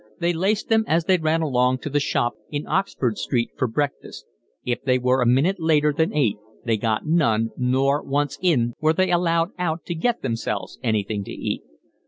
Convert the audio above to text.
They laced them as they ran along to the shop in Oxford Street for breakfast. If they were a minute later than eight they got none, nor, once in, were they allowed out to get themselves anything to eat.